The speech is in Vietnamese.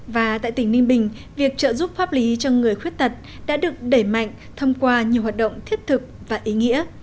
và tại tỉnh ninh bình việc trợ giúp pháp lý cho người khuyết tật đã được đẩy mạnh thông qua nhiều hoạt động thiết thực và ý nghĩa